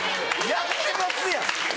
やってますやん！